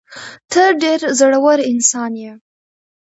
ته ډېر زړه ور انسان یې.